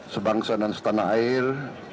sebangsa dan setanah air